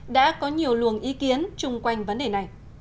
đã có nhiều luồng ý kiến chung quanh vấn đề này